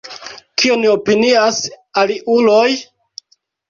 Kion opinias aliuloj?